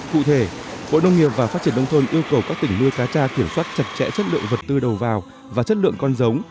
cụ thể bộ nông nghiệp và phát triển đông thôn yêu cầu các tỉnh nuôi cá tra kiểm soát chặt chẽ chất lượng vật tư đầu vào và chất lượng con giống